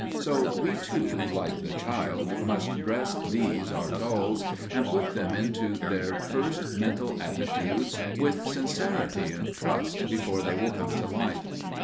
So we, too, like the child, must dress these our dolls, and put them into their first mental attitudes with sincerity and trust before they will come to life.